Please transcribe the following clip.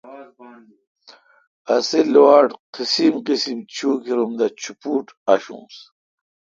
اسےلوآٹ قسیم قسیمچوکیر ام دا چوپوٹ آݭونس